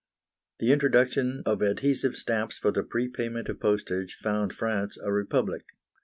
The introduction of adhesive stamps for the prepayment of postage found France a Republic.